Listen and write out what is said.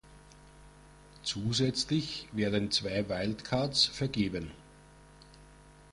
Zusätzlich werden zwei Wildcards vergeben.